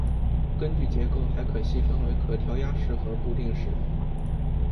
根据结构还可细分为可调压式和固定式。